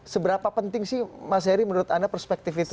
seberapa penting sih mas heri menurut anda perspektif itu